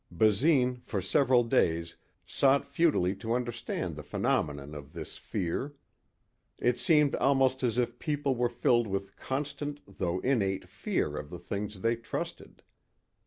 Basine for several days sought futilely to understand the phenomenon of this fear. It seemed almost as if people were filled with constant though innate fear of the things they trusted.